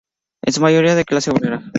En su mayoría de clase obrera.